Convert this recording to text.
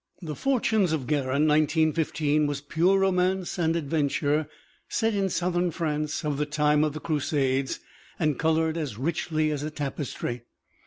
The For tunes of Garin (1915) was pure romance and adven ture set in Southern France of the time of the Crusades and colored as richly as a tapestry.